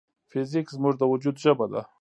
فزیک زموږ د وجود ژبه ده.